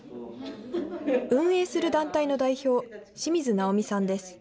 運営する団体の代表、清水直美さんです。